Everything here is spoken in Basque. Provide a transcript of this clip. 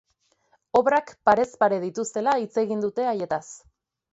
Obrak parez pare dituztela hitz egin dute haietaz.